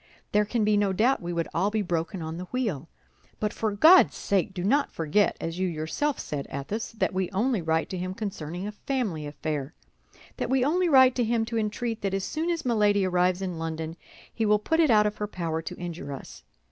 "There can be no doubt we would all be broken on the wheel; but for God's sake, do not forget, as you yourself said, Athos, that we only write to him concerning a family affair; that we only write to him to entreat that as soon as Milady arrives in London he will put it out of her power to injure us.